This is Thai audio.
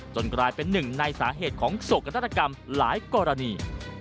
กลายเป็นหนึ่งในสาเหตุของโศกนาฏกรรมหลายกรณี